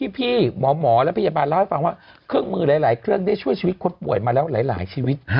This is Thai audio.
พี่หมอและพยาบาลเล่าให้ฟังว่าเครื่องมือหลายเครื่องได้ช่วยชีวิตคนป่วยมาแล้วหลายชีวิต